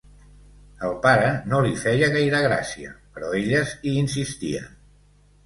Al pare no li feia gaire gràcia, però elles hi insistien.